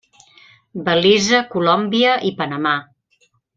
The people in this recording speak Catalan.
Belize, Colòmbia i Panamà.